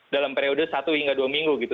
dalam periode satu hingga dua minggu gitu